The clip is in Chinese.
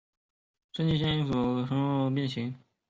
删节线是以一条线划过一字形后所得的变型。